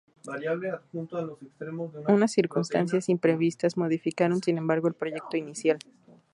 Unas circunstancias imprevistas modificaron sin embargo el proyecto inicial.